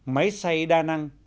máy xay đa năng